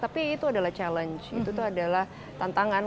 tapi itu adalah tantangan